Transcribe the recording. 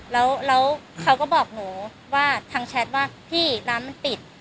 แล้วเขาก็บอกหนูว่าทางแชทว่าพี่น้ำมันปิด